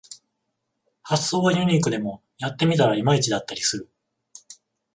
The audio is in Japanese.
発想はユニークでもやってみたらいまいちだったりする